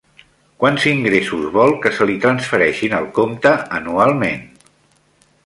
Quants ingressos vol que se li transfereixin al compte anualment?